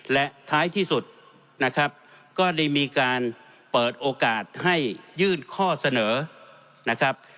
และท้ายที่สุดนะครับก็ได้มีการเปิดโอกาสให้ยื่นข้อเสนอนะครับ